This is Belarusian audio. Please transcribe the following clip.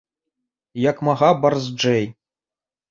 І як мага барзджэй.